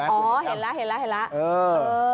อ๋อเห็นแล้วเออ